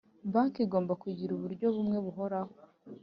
Banki igomba kugira uburyo bumwe buhoraho